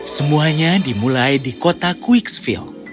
semuanya dimulai di kota quicksfield